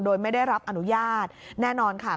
โดยไม่ได้รับอนุญาตแน่นอนค่ะ